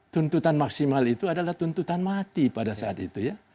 tuntutan maksimal itu adalah tuntutan mati pada saat itu ya